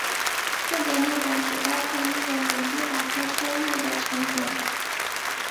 这个列表只包括英文维基百科收录的成员。